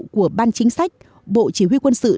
của ban chính sách bộ chỉ huy quân sự